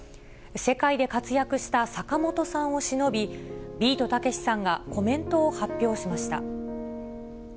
世界で活躍した坂本さんをしのび、ビートたけしさんがコメントを発表しました。